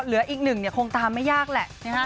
เหลืออีกหนึ่งเนี่ยคงตามไม่ยากแหละ